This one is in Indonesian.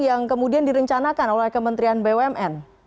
yang kemudian direncanakan oleh kementerian bumn